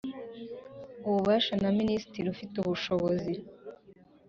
Ububasha na minisitiri ufite ubushobozi